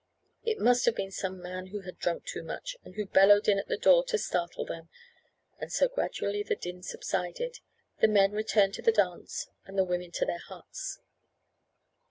It must have been some man who had drunk too much, and who bellowed in at the door to startle them; and so gradually the din subsided, the men returned to the dance, and the women to their huts.